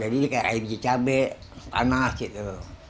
jadi ini kayak air biji cabai panas gitu